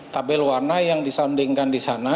tabel warna yang disandingkan di sana